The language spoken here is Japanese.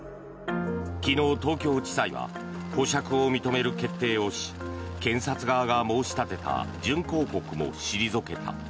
昨日、東京地裁は保釈を認める決定をし検察側が申し立てた準抗告も退けた。